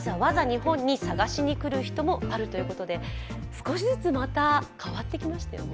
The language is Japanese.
少しずつ、変わってきましたよね。